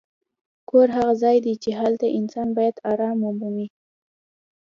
کور هغه ځای دی چې هلته انسان باید ارام ومومي.